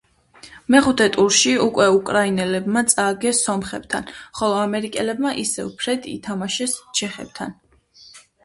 მეხუთე ტურში უკვე უკრაინელებმა წააგეს სომხებთან, ხოლო ამერიკელებმა ისევ ფრედ ითამაშეს ჩეხებთან.